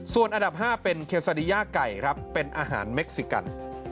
ส่วนอันดับ๕เป็นเคซาดีย่าไก่ครับเป็นอาหารเม็กซิกัน